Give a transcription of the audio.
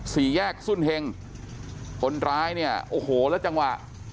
สี่แยกสุ่นเฮงคนร้ายเนี่ยโอ้โหแล้วจังหวะ